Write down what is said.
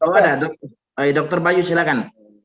oh ada dokter bayu silakan